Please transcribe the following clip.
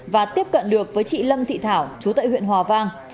và tiếp cận được với chị lâm thị thảo chú tại huyện hòa vang